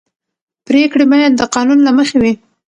پرېکړې باید د قانون له مخې وي